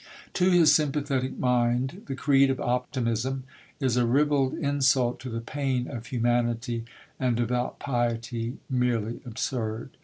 To his sympathetic mind, the creed of optimism is a ribald insult to the pain of humanity and devout piety merely absurd.